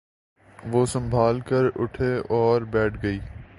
وہ سنبھل کر اٹھی اور بیٹھ گئی۔